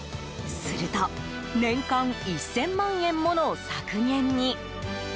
すると年間１０００万円もの削減に。